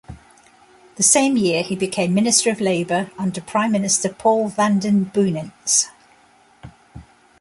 The same year he became minister of Labour under Prime Minister Paul Vanden Boeynants.